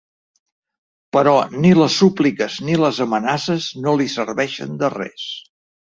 Però ni les súpliques ni les amenaces no li serveixen de res.